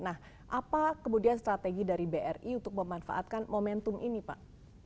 nah apa kemudian strategi dari bri untuk memanfaatkan momentum ini pak